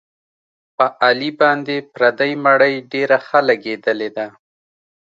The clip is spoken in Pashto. په علي باندې پردۍ مړۍ ډېره ښه لګېدلې ده.